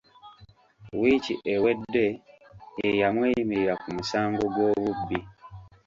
Wiiki ewedde ye yamweyimirira ku musango gw’obubbi.